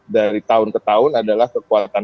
dari tahun ke tahun adalah kekuatan